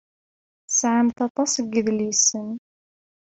Tesɛamt aṭas n yidlisen.